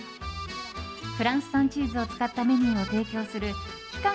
フランス産チーズを使ったメニューを提供する期間